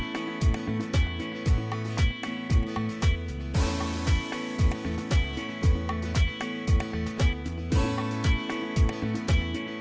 โปรดติดตามตอนต่อไป